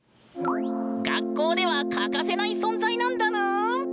学校では欠かせない存在なんだぬん。